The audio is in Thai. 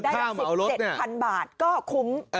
ละ๑๗๐๐๐บาทก็คุ้ม